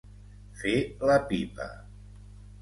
Fer la pipa.